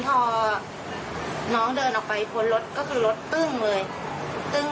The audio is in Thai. ซึ่งคุณแม่ก็บอกว่าจะปีนขึ้นนะ